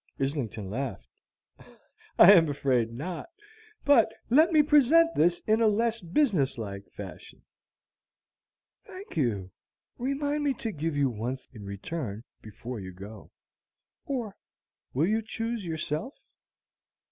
Islington laughed. "I am afraid not. But let me present this in a less business like fashion." "Thank you. Remind me to give you one in return before you go, or will you choose yourself?"